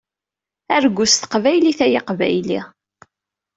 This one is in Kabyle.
Argu s teqbaylit ay aqbayli!